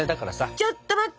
ちょっと待って！